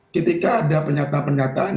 ketika ada penyata penyataan